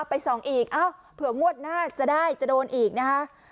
ไปส่องอีกเอ้าเผื่องวดหน้าจะได้จะโดนอีกนะคะ